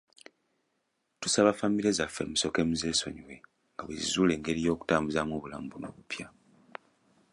Tusaba famire zaffe musooke muzeesonyiwe nga bwe zizuula engeri y'okutambuzaamu obulamu buno obupya.